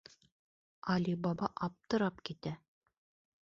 Али Баба аптырап китә: